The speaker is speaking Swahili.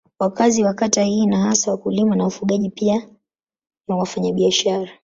Wakazi wa kata hii ni hasa wakulima na wafugaji pia ni wafanyabiashara.